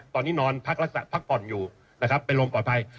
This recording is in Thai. ตอนนี้นอนพักลักษณะพักผ่อนอยู่นะครับเป็นลมปลอดภัย